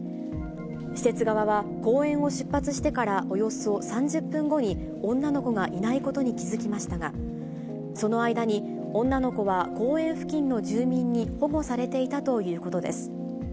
施設側は、公園を出発してからおよそ３０分後に女の子がいないことに気付きましたが、その間に女の子は公園付近の住民に保護されていたということです。